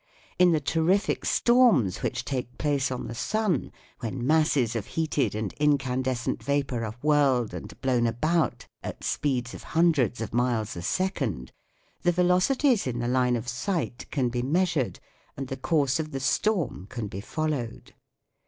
In the terrific storms which take place on the sun, when masses of heated and incan descent vaoour are whirled and blown about at SOUNDS OF THE TOWN 81 speeds of hundreds of miles a second, the velo cities in the line of sight can be measured and the course of the storm can be followed.